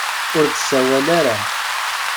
Ur d-tsawala ara.